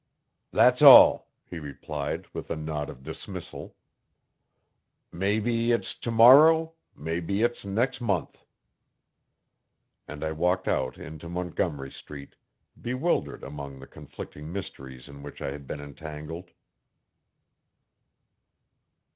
"That's all," he replied with a nod of dismissal. "Maybe it's to morrow maybe it's next month." And I walked out into Montgomery Street, bewildered among the conflicting mysteries in which I had been entangled.